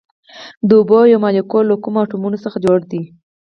د اوبو یو مالیکول له کومو اتومونو څخه جوړ دی